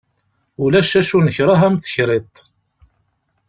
Ulac acu nekreh am tekriṭ.